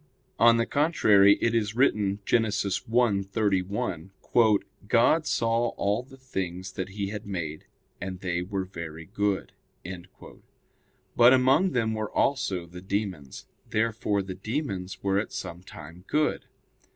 On the contrary, It is written (Gen. 1:31): "God saw all the things that He had made, and they were very good." But among them were also the demons. Therefore the demons were at some time good.